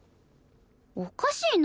おかしいなあ。